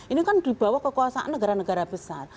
ini kan dibawah kekuasaan negara negara besar